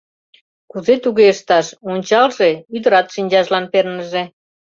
Кузе туге ышташ: ончалже, ӱдырат шинчажлан перныже.